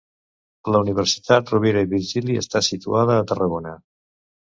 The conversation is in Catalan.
La Universitat Rovira i Virgili està situada a Tarragona.